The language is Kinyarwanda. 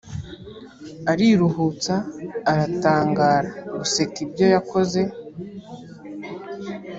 Ariruhutsa aratangara guseka ibyo yakoze